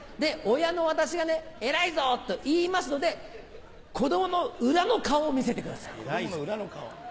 親の私が「偉いぞ！」と言いますので子供の裏の顔を見せてください。